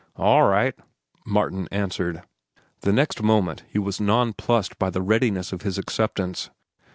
"All right," Martin answered. The next moment he was nonplussed by the readiness of his acceptance.